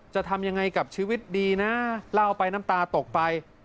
จะทำยังไงกับชีวิตดีนะเล่าไปน้ำตาตกไป